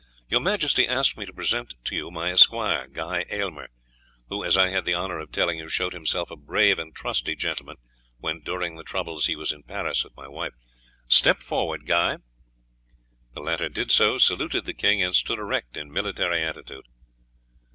Your majesty asked me to present to you my esquire, Guy Aylmer, who, as I had the honour of telling you, showed himself a brave and trusty gentleman, when, during the troubles, he was in Paris with my wife. Step forward, Guy!" The latter did so, saluted the king, and stood erect in military attitude.